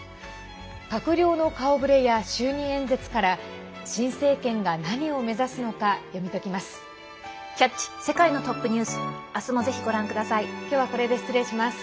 閣僚の顔ぶれや就任演説から新政権が何を目指すのか読み解きます。